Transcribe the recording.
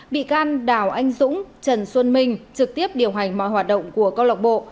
bị can đào anh dũng trần xuân minh trực tiếp điều hành mọi hoạt động của cơ lộc bộ